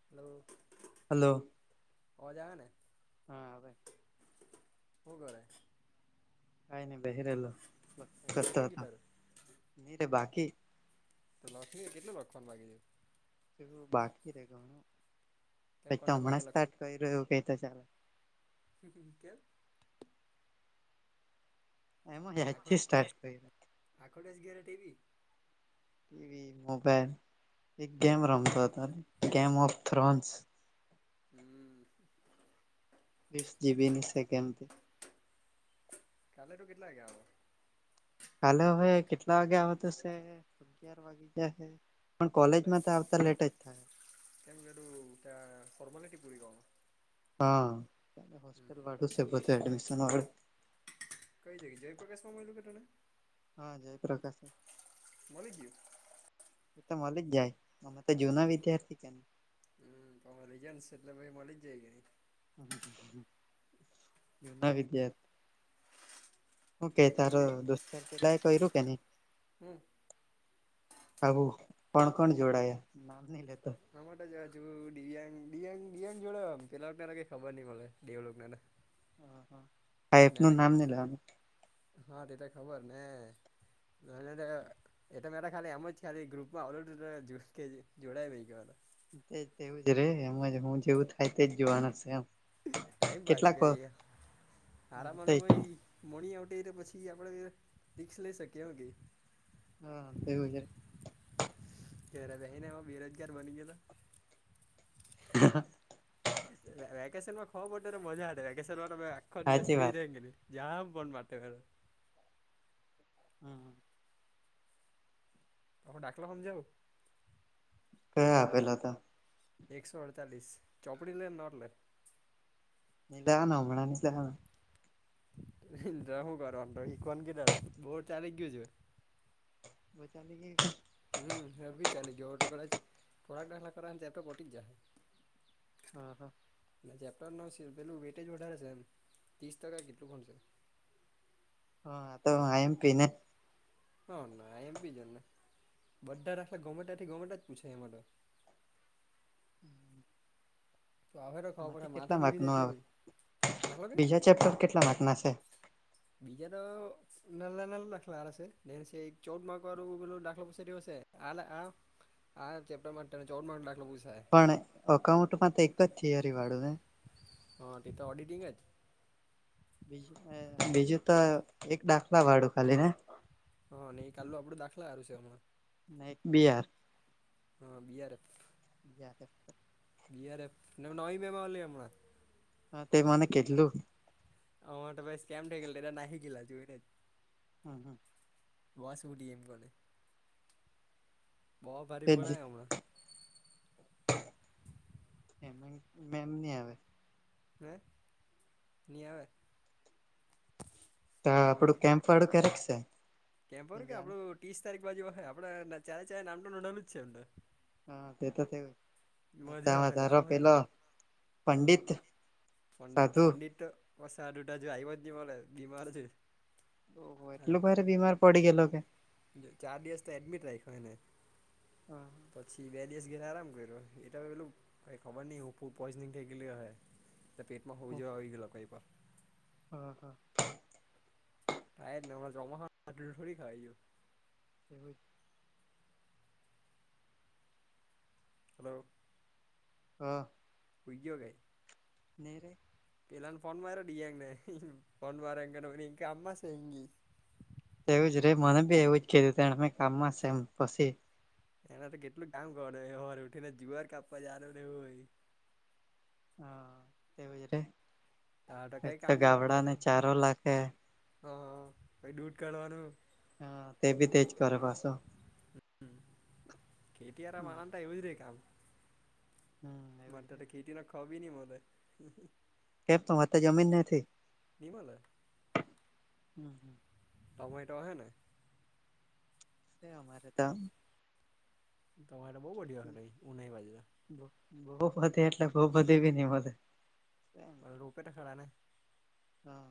[inaudible] Hello આવાજઆવે ને. હા આવે. હું કરે. કઈ નહી બેહિરયેલો કરતો લખાઈ ગયું તારું [unintelligible] બાકી તો લખ લે કેટલું લખવાનું બાકી છે. બાકી કેમ [unintelligible] તો કંટાળ હમણાં લાગે જ સ્ટાર્ટ લખવાનું કર્યું [unintelligible] શન કેન. એમાં હખ આજથી સ્ટાર્ટ કર્યું હખોટસ ગરે ટટેવી. ટીવી મોબાઈલ એક ગેમ રમતો હતો ગેમ ઓફ થ્રોન્સ. હમ વીસ જીબી ની છે કેમતી. કાલે તો કેટલા વાગ્યાયા આવો. કાલે હવે કેટલા વાગ્યા આવ તોશે અગિયાર વાગે જયાશે. પણ કોલેજ એટલે માં તો આવતા લેટે જ થાય. કેમ એું ત્યા ફરમલે ટ પૂરી ક. હા હોસ્ટેલ હમ વાળું છેહે બધું એડમિશન વાળું. કઈ જગ જયપ્રકાશ માં મળલું કે તને. હા જયપ્રકાશ. મળી ગયું એ તો મળલે જાય અરે તો જુના વિદ્યાર્થી કે. હમ તોમે લઈ જ એટલે ભ મળી જ જાય કે ન જુના વિદ્યાત. હું કે તો તું તારો દોસ્તાર પેલા એ કર્યું કે નહી. હમ હબું કોણ કોણ જોડાયા નામ નઈ લેતો. આ માટે જ છું દિવ્યાંગ દિવ્યાંગ દંગ જોડે પેલાને કઈ ખબર નહ મળે દેવળક ના હ હા. નારે હા તે તો ખબર ને. એટ મેરા ખાલી એમ જ ખાલી ગ્રુપમાં ઓલરે જોડાય ગયુ. તેજ તેવું જ રે એમજ હું જેવું થાય તેજ જોવાનુંશે એમ. ટાઈમ પાસ કેટલાક ગઈ આરામનો ભાઈ. મણી આવ તો પછી આપડે રીક્ષ લઈ શકીએ એમ કે. હા તેવું છે. તરા બહે એમાં બેરોજગાર બની ગયો તો. હા. વેકેશમાં હો માટેટે તો મજા આડે કેમે આખ દિવસ સાચી ફ્રી વાત થંગલી જાામ પણન માટર હમ હમ. હ ડાકલાખમ જાઓ. કયા આપેલા હતા? એકસો અડતાલીસ, ચોપડી લે નોટ લે. લ ના હમણા ની લના. શું કર તો શીખન કેટલે બોર ચાલી ગયું છ. બચાની કે [inaudible] હ એવી ચાલી ગયો ઓટો કર પ્રોડાક્ટ હલા કર એપે પટી જ જાયહે. હ હા. ના ચેપ્ટર ન સી પેલું વેટેજ વધારે છે એમ, ત્રીસ ટકા કેટલું ઘણશે. હા તો એમ પી ને. હા ના એમ બીજ ને, બધા રાખલા ગમેટથી ગમેટ જ પૂછે એ માટે. ત આો એ તો ખવા પડે માંથી માથે કેટલા માર્ક ડુકી નું જાય આવે તીવું, રાખલો કે? બીજા ચેપ્ટર કેટલા માર્ક ના છે બીજા તો નાલા નાલ દાખલા હશે ચૌદ માર્ક વારું પેલું દાખલા પછ હશે. હલા હ હા ચપ માટે ત ચોડ માટે અટલે પૂસાય. પણ અકાઉન્ટમાં તો એક જ થિયરી વાળું ને? હા ત તો ઓડિટિંગ જ. બજ બીજું તો એક દાખલા વાળું ખાલી ને? હં ન કાાલુ આપડું દાખલા છેમાં. ના બિહાર. હા બી આર એફ. જ કર. બી હાર એફ, એને નવી બે એમાં લ હમણા. હા તે મને કેટલું. હ તો ભાઈ સ્કમ થઈ ગલ એટા નાહી ગેલા જોઈએ ને જ. હમ હમ. બસ ઉટી ડી એમ કોને, બહ ભારે તે પણ હમણાં. એ એમ ન આવે. હ નિ આવે. ત આપડું કેમ્પ વાળું ક્યારેક છે? કેમ બર કે જાણ આપડું ત્રીસ તારીખ બાજુ આપડે ચારે ચારે નામનું નન જ છે એમને. હા તે તો એવય. મજા આવે આવય ને. પંડિત પંડિત સાધુ પંડિત બ આટા જો આવ જ મળે બીમાર છે. ઓ એટલું ભારે બીમાર પડી ગયેલો કે? જો ચાર દિવસ તો એડમિટ રાખ્યો હો ને. હમ. પછી બે દિવસ ગયલા આરામ કર્યો, એટ તો પેલું કંઈ ખબર નહીં હું ફુ પોઈઝનિંગ થઈ ગયું હય. તો પેટમાં હોવું જોવા આવી ગેલો કંઈ પણ. હમ હા. સાાયદને જમા ખાડી ખવાય જો. એમ. હલો. હ. હુઈ ગીયો કે? ની રે. પે એલા ફન મારાડી એંગને ફન મારેંગ એ અમમા કામ માં છે એમ કે. એવું જ રે મને બી એવું જ કીધું ત મેમે કામમાં છેમ પછી. એના તો કેટલું કામ કર હોર ઉઠી ને જીવાર કાપવા જનું ને હોય. હ તેવું જ રે, તાર તો કઈ કામ નહી ગબડા ને કોનતા ચારો લાગે. હા ભાઈ દૂટ કાઢવાનું. હા તે ભી તેજ કરે પાછો. ખટીયાર હમ માણતા એવું જ રે કામ. એવું માટે જ તો ખેતી ના ખાવી નહી મરે. કેમ તો જમીન નથી? નિ મલે. હમ [inaudible] ટમેટો હને? અમારે ત તમામેરેરા બહુ બઢયો હલે ઉઊનાઈ બાજરા. બહ બધે એટલે બહ બધી બી નહ મળે. રૂપેટ ખડા ને હા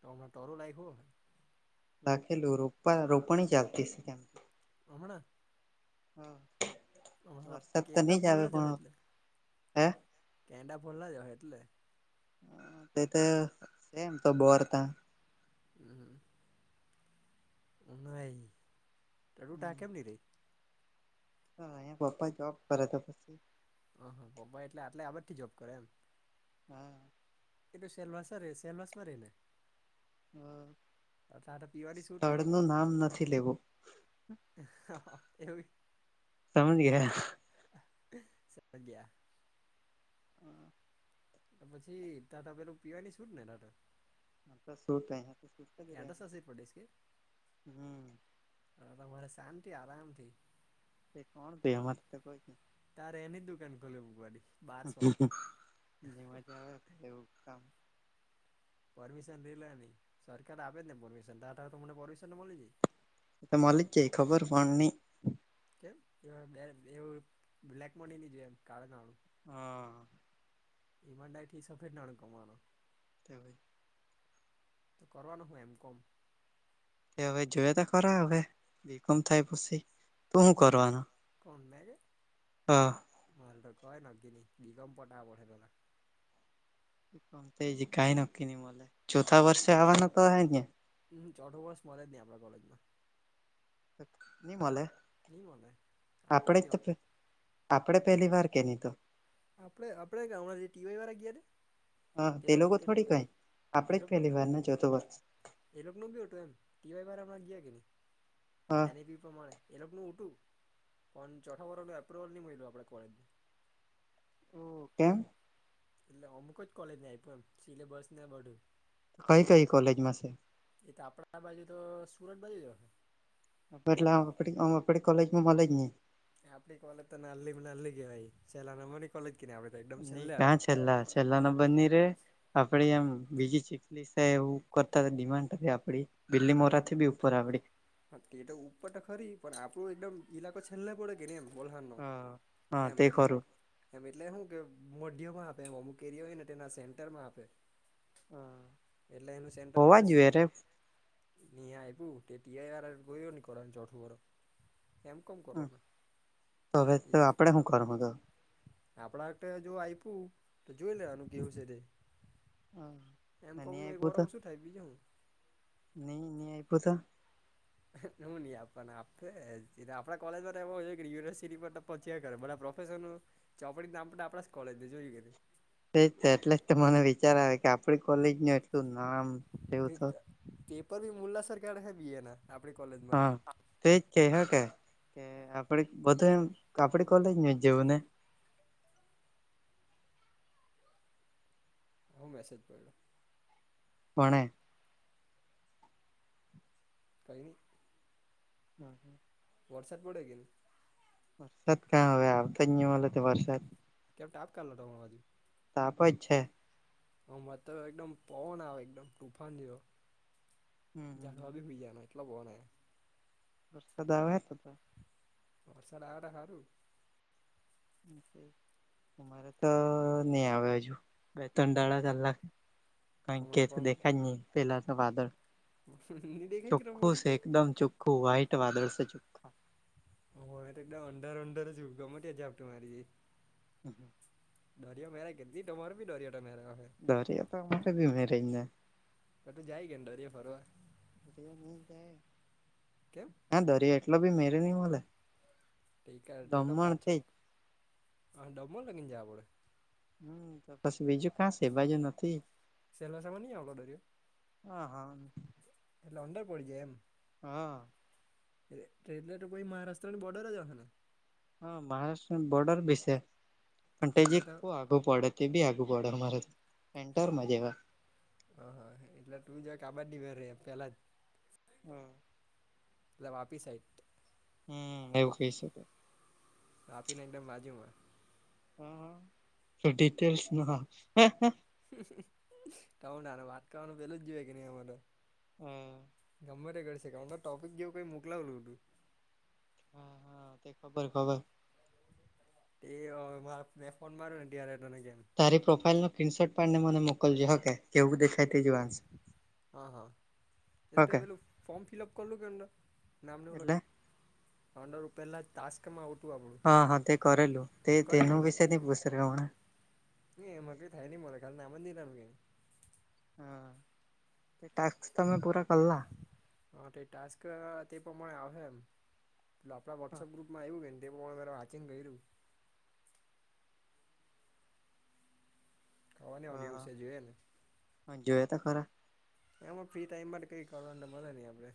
તો, હમણાં ટરું લાયક હો. રાખેલું રોપ રોપણી ચાલતી કે. હમણા? હા. વરસાદ તો કેડા નહી ભોલ આવે ના જ હો પણ એટલે, હે કેડા ભોલ ના જ હો એટલે. તે તો સેમ તો બોર્તા. હમ હ. નઈ, નઈટડું ટા કેમની રે? હ અહીંયા પપ્પા જોબ કરેતા પછી. હ હા પપ્પા એટલે આટલે આબર થી જોબ કરે એમ. હાં. એ તો સેલવાસમાં રે સેલવાસ માં ર ને? ટાટા પીવાની છૂટ ને સ્થળ નું નામ નથી લેવું. [unintelligible] [unintelligible] [unintelligible] પછી ટાટા પેલું પીવાની છુટ ને રાતે? કે આડ સાસી પડીશ [unintelligible] હા તમારે શાંતિ આરામથી. [unintelligible] તારે એની જ દુકાન ખોલવી મુકવાની. [unintelligible] પરમિશન લે લે ની, સરકાર આપ જ ને પરમિશન તો મને પરમિશન તો મળી જાય. મલિકે ખબર પણ ની. કેમ એ બે એવું બ્લેક મની ની જોય એમ કાળુ નાળું? હા. ઇમાનદારી થી સફેર નાણું કમાવાનુ. [unintelligible] તો કરવાનો હોય એમ કોમ? એ હવે જોય તો ખરા હવે કેમ થાય પછી, તો શું કરવાનુ? [unintelligible] હા. [unintelligible] કોમ તો હજી કઈ નક્કી ન મ ચોથા વર્ષ હવાના તો આપને. હમ ચોથો વર્સ મળે જ નહી આપડા કોલેજમાં. નઈ મલે નહી મળે આપડું જ આપડે નહી આપડે પેલી વાર. કેની તો. આપણે આપણે કાનાર જે ટીવાય વારા ગયા છે. હ તે લોકો થોડી કઈ એ આપણે જ લોકોનું પહેલી વાર ને ચોથો ઉહુ હોય. એ લોકો ન બી હતું એમ ટી વાય વાળા હમણાં ગયા કે નહી હા એની બી પ્રમાણે. એ લોકોનું ઊઠું પણ ચોથા વર્ષનું એપ્રુવલ નહીં મળિલ્યું આપણે કોલેજને. એમ. એટલે અમુક જ કોલેજને આપ્યું એમ સિલેબસ ને બધું. કઈ કઈ કોલેજમાં સે. એ તો આપણા બાજુ તો સુરત બાજુ જવાનુ. એટલે આપડી કોલેજમાં મલે જ નઈ. આપડી કોલેજ તો નાલી નાલી કેવાાઈ સેલા નામની કોલેજ કે ને આપડે. તો એકદમ નહી છેલ્લે આવે કા છેલ્લા છેલ્લા ના બની રે આપડીે એમ બીજી ચ સાહે એવું કરતા ડિમાન્ડ આપડી બિલ્લી મોરાથી બી ઉપર આપડી. હા તે તો ઉપર તો ખરી પણ આપણું એકદમ ઈલાકો છેલ્લે પડે કે ને એમ. [inaudible] હા. હા તે ખરું એમ એટલે શું કે મોઢિમાં આપે એમ અમુક એરિયા હોયને તેના સેન્ટરમાં આપે એટલે એનું સેન્ટર હોવા જોઈએ રે [inaudible] [inaudible] હમ હવે તો આપડે શું કરવાનુ હતો આપણા જો આપ્યું તો જોઈ લેવાનું કેવું છે તે એમ નહી કોમનું એક આપ્યું વારહ તો ઓછુ થાય બીજું શુ. [inaudible] હું નહિ આપ આપે આપણા કોલેજ માટેય યુનિવર્સિટી પર પછી કરે બા પ્રોફેશર નું ચોપડી ના આપડા કોલેજ જોઈ કે તેજ તો એટલે જ તો મને વિચાર આવે કે આપડી કોલેજનુ એટલું નામ એવું તો પેપર બી મુલ્લા સર કાઢહે બી એ ના આપણી કોલેજમાં. તો એજ કેય હકે કે આપડ બધું એમ આપડી કોલેજ નું જ જેવું ને. હું મેસેજ પયડો. પણે. કઈની. હમ હમ. વરસાદ પડે કે ની. વરસાદ ક્યાં હવે આવતા જ નઈ મલે તો વરસાદ. કેમ તાપ કારલો તમાર બાજુ. તાપ જ છે. અમારે તો એકદમ પવન આવે એકદમ તુફાન જેવો હમ હમ. જાડવા બી હુઈ જવાના. અ બો ને. વરસાદ આવે. વરસાદ આવે તો હારું. [inaudible] અમારે તો નઈ આવે હજુ, બે તણ કાળલાખે. ક કે હમણાં તો દેખા જ નહી પેલા તો વાદળ. ની દેખાય કે તમાર ચોખ્ખું બાજુ? છે એકદમ ચોખ્ખું વ્હાઈટ વાદળ છે. ચોખ્ખા. હ તો એકદમ અંધારૂ અંધારૂ જેવું ગમે ત્યારે ઝાપટું મારી જાય. હમ હા. દરિયો મેરે કે તમારે બી દોરિયો તો મેરે અહે. દરિયો તો અમારે બી મેરેજ ને. હ તો જાય કેની દરીયે ફરવા? કેમ હ દરિયો એટલો બી મેરે નહી મલે. તે કા તેતો પાછો, હ દમન લગીન જાવા પડે. હમ તો પછી બીજું કાં છે એબાજુ નથી. સેલવાસામાં નહી આવલો ડરિઓ? હા હા એટલે અંદર પડી જાય એમ. હા. એ તે એટલે તો પહી મહારાષ્ટ્રની બોર્ડર જ અહે ને? હા મહારાષ્ટ્ર બોર્ડર બી છે પણછે, તે એટલે જીક તો બો આગું પડે તે બી આગું પડે, અમારે તો એન્ટરમાં જેવા. હ હા એટલે તું જાક આબાજની મેળ રેય પેલા જ. હમ. એટલે વાપી સાઇડ. હમ એવું કઈ શકે. વાપીને એકદમ બાજુમાં. હા તો ડિટેલ્સમાં. ત નાનો વાત કરવાનું પેલો જ જોએ કે ની એમા તો. હમ. ગમે તે કરી શકે અંદર ટોપિક જેવું કંઈ મોકલાવલું હતું. હા હા તે ખબર ખબર. તે અવે મે ફોન મારું ને ત્યારે તને કેમ. તારી પ્રોફાાઈલ નો ક્રીનશોટ પાડને મને મોકલજે હકે કેવું દે તે જોવાનો છે. હા હા એટલે તું એ પેલું ફોર્મ ફિલ્અપ કરલુ કે અંડર, નામ ને એવું એટલે લખીને? અંદર પહેલા જ. ટાસ્કમાં આવટું આપડું. હા હા તે કર લું, તે તેનું વિશેની પૂછ હમણા. ન એમાં કઈ થાય નઈ મળે ખા ના આમંદ નાનું કેને. હા, તે ટાસ્ક તમે પૂરા કલા. હા તો એ ટાસ્ક તે પ્રમાણે આવે એમ પે, આપણા વોટ્સઅપ ગ્રુપમાં આવ્યું કે. મે વાંચિંગ ગય્યું. ખાવાની હોયગ એવું છે જોઈએ ને. હ જોયા ત ખરા. એમાં ફ્રી ટાઈમ માં કઈ કરવાને મળે નહી આપડે.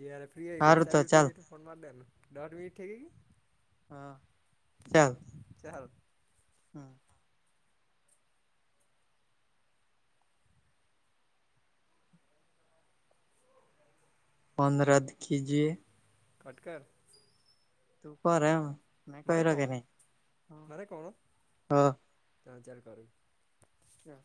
જેયાર ફ્રી હોય હારું દોસ્તાર બી ચાલ ફ્રીય તો ફોન માર દે ડટ મીઠ ઠીક કે? હા ચાલ. ચાલ. હા. ફોન રદ કજએ. કટ કર. તું કરમ ના મારે કહી ર કે કહેવાનો નહી, હ. ચ ચાર કરો. હા.